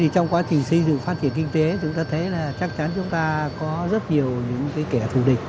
trong quá trình xây dựng phát triển kinh tế chúng ta thấy là chắc chắn chúng ta có rất nhiều những kẻ thù địch